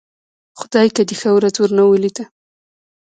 خدايکه دې ښه ورځ ورنه ولېده.